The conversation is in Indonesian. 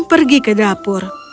pergi ke dapur